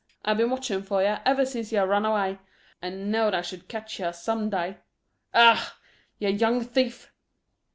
I've been watching for yer ever since yer run away. I knowed I should ketch yer some day. Errrr! yer young thief!"